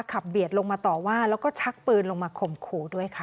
เบียดลงมาต่อว่าแล้วก็ชักปืนลงมาข่มขู่ด้วยค่ะ